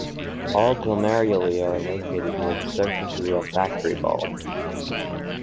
All glomeruli are located near the surface of the olfactory bulb.